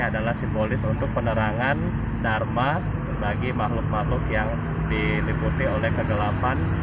adalah simbolis untuk penerangan dharma bagi makhluk makhluk yang diliputi oleh kegelapan